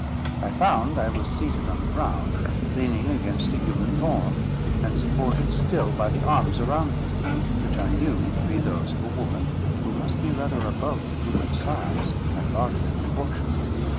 I found I was seated on the ground, leaning against a human form, and supported still by the arms around me, which I knew to be those of a woman who must be rather above the human size, and largely proportioned.